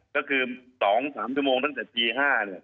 ก็คือ๒๓ชั่วโมงตั้งแต่ตี๕เนี่ย